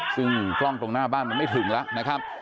ซึ่งกล้องตรงหน้าบ้านมันไม่ถึงแล้วนะครับ